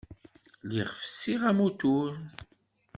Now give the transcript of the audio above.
Lliɣ fessiɣ amutur.